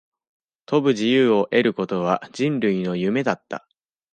飛ぶ自由を得ることは、人類の夢だった。